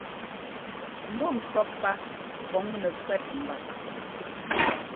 Mbɔ́ŋkʉ̈ɔ́ pá kɔŋ nɛkwɛ́t mbap.